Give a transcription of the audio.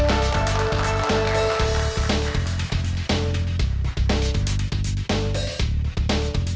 udah deh deyan serius dah